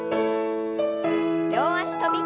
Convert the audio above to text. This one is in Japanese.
両脚跳び。